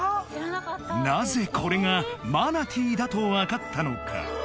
なぜこれがマナティーだとわかったのか？